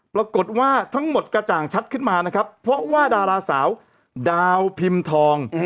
ปรากฏว่าทั้งหมดกระจ่างชัดขึ้นมานะครับเพราะว่าดาราสาวดาวพิมพ์ทอง